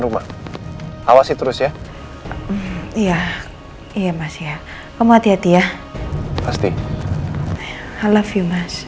rumah awasi terus ya iya iya masih kamu hati hati ya pasti halafi mas